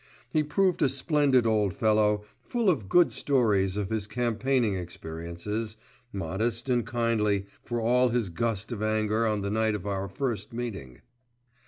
He proved a splendid old fellow, full of good stories of his campaigning experiences, modest and kindly, for all his gust of anger on the night of our first meeting.